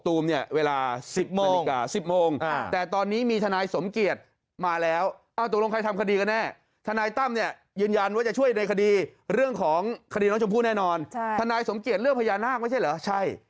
ถ้านายสมเกียจเรื่องพญานาคไม่ใช่เหรอใช่